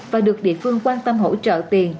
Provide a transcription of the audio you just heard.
và được địa phương quan tâm hỗ trợ tiền